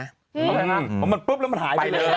เอาไงนะมันปุ๊บแล้วมันหายไปเลย